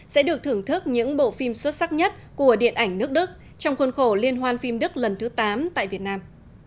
sẽ được thưởng thức những bộ phim xuất sắc nhất của điện ảnh nước đức trong khuôn khổ liên hoan phim đức lần thứ tám tại việt nam